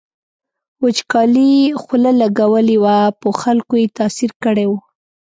وچکالۍ خوله لګولې وه په خلکو یې تاثیر کړی و.